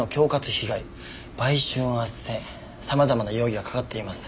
様々な容疑がかかっています。